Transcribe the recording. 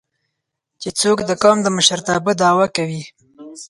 چې څوک د قام د مشرتابه دعوه کوي